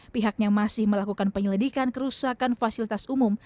pihaknya masih melakukan penyelidikan kerusakan fasilitas umum